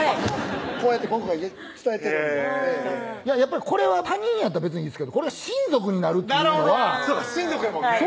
こうやって僕が伝えてるんでやっぱりこれは他人やったら別にいいですけどこれが親族になるっていうのはなるほど親族やもんね